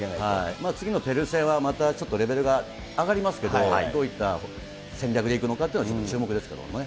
次のペルー戦はまたちょっとレベルが上がりますけど、どういった戦略でいくのかというのは、ちょっと注目ですけどもね。